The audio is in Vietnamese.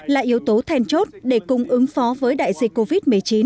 là yếu tố thèn chốt để cùng ứng phó với đại dịch covid một mươi chín